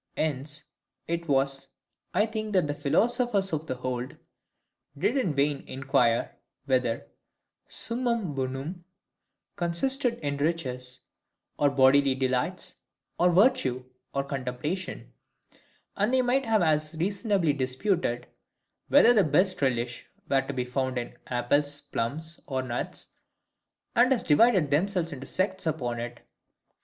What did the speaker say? Hence it was, I think, that the philosophers of old did in vain inquire, whether summum bonum consisted in riches, or bodily delights, or virtue, or contemplation: and they might have as reasonably disputed, whether the best relish were to be found in apples, plums, or nuts, and have divided themselves into sects upon it.